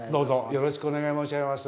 よろしくお願いします。